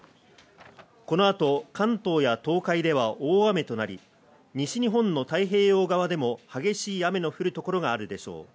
この後、関東や東海では大雨となり、西日本の太平洋側でも激しい雨の降る所があるでしょう。